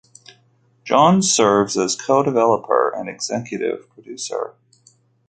Johns serves as co-developer and executive producer.